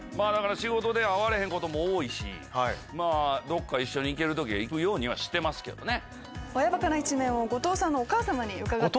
仕事で会われへんことも多いしどっか一緒に行ける時は行くようにはしてますけどね。